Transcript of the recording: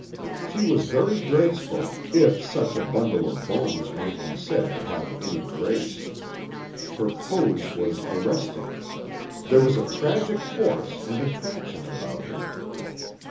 She was very graceful, if such a bundle of bones might be said to have any grace. Her pose was arresting. There was a tragic force and attraction about her.